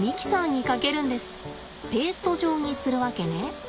ペースト状にするわけね。